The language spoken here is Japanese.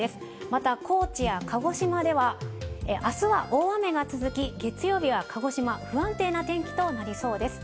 また、高知や鹿児島では、あすは大雨が続き、月曜日は鹿児島、不安定な天気となりそうです。